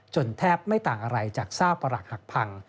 แทบไม่ต่างอะไรจากซากประหลักหักพัง